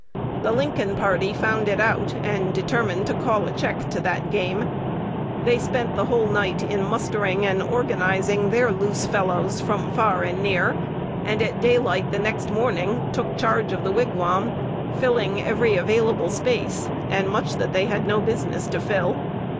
The Lincoln party found it out, and determined to call a check to that game. They spent the whole night in mustering and organizing their "loose fellows" from far and near, and at daylight the next morning "took charge" of the Wigwam, filling every available space, and much that they had no business to fill.